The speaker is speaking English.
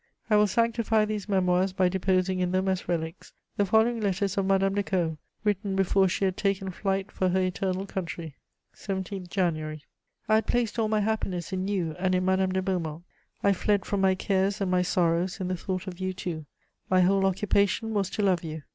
I will sanctify these Memoirs by deposing in them, as relics, the following letters of Madame de Caud, written before she had taken flight for her eternal country: "17 January. "I had placed all my happiness in you and in Madame de Beaumont; I fled from my cares and my sorrows in the thought of you two: my whole occupation was to love you.